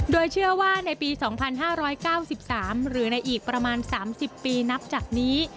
โดยเชื่อว่าในปี๒๕๙๓หรือในอีกประมาณ๓๐ปีนับจากนี้